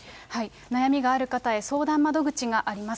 悩みがある方へ、相談窓口があります。